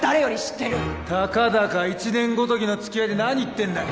たかだか１年ごときのつきあいで何言ってんだよ。